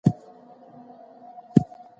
د کورنۍ ستونزې په کور کې حل کړئ.